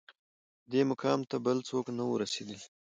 دې مقام ته بل څوک نه وه رسېدلي